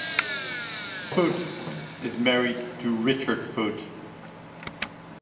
Foote is married to Richard Foote.